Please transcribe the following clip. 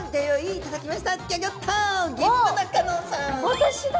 私だ！